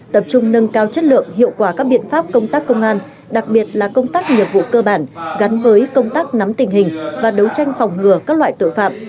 tập trung nâng cao chất lượng hiệu quả các biện pháp công tác công an đặc biệt là công tác nhiệm vụ cơ bản gắn với công tác nắm tình hình và đấu tranh phòng ngừa các loại tội phạm